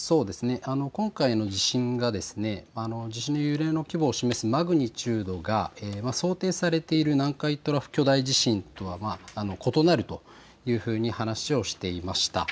今回の地震が地震の揺れの規模を示すマグニチュードが想定されている南海トラフ巨大地震とは異なるというふうに話をしていました。